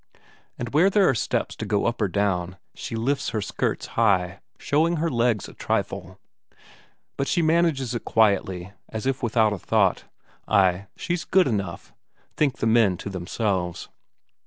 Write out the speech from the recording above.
And where there are steps to go up or down, she lifts her skirts high, showing her legs a trifle; but she manages it quietly, as if without a thought. Ay, she's good enough, think the men to themselves.